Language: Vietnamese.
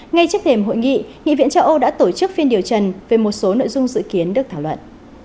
ngay trước thềm hội nghị nghị viện châu âu đã tổ chức phiên điều trần về một số nội dung dự kiến được thảo luận